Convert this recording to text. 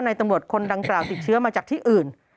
ตำรวจคนดังกล่าวติดเชื้อมาจากที่อื่น